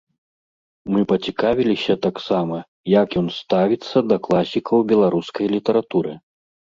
Мы пацікавіліся таксама, як ён ставіцца да класікаў беларускай літаратуры.